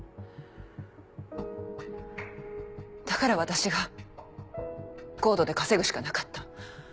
だから私がＣＯＤＥで稼ぐしかなかった。